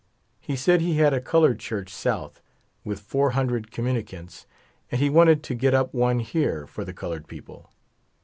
He said he had a Colored Church South, with four hundred communicants, and he wanted to get up one here for the colored people.